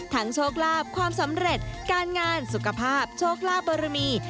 โชคลาภความสำเร็จการงานสุขภาพโชคลาภบรมี